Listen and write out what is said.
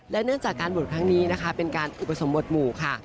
เนื่องจากการบวชครั้งนี้นะคะเป็นการอุปสมบทหมู่ค่ะ